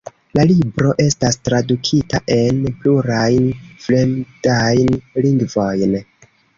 La libro estas tradukita en plurajn fremdajn lingvojn.